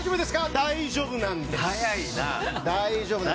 大丈夫なんですね。